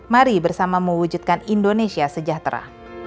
mari bersama mewujudkan indonesia sejahtera